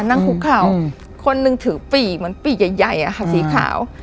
นั่งคุกเข่าคนนึงถือปีกเหมือนปีกใหญ่อะค่ะสีขาว